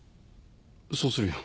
そうするよ。